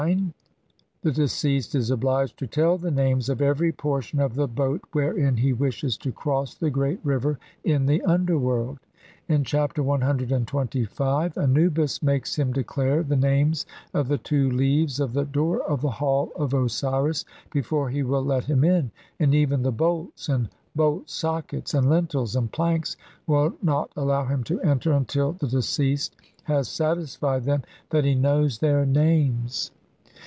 158) the deceased is obliged to tell the names of every portion of the boat wherein he wishes to cross the great river in the underworld ; in Chapter CXXV (p. 190) Anubis makes him declare the names of the two leaves of the door of the Hall of Osiris before he will let him in, and even the bolts, and bolt sockets, and lintels, and planks will not allow him to enter until the deceased has satisfied them that he knows their names.